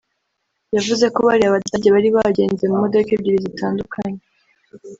yavuze ko bariya badage bari bagenze mu modoka ebyiri zitandukanye